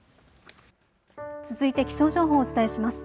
続いて気象情報をお伝えします。